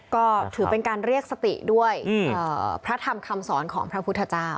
ก็ถือเป็นการเรียกสติด้วยพระธรรมคำสอนของพระพุทธเจ้า